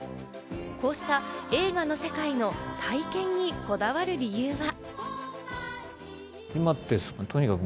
こうした映画の世界の体験にこだわる理由は。